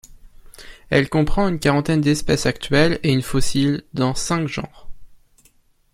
Elle comprend une quarantaine d'espèces actuelles et une fossile dans cinq genres.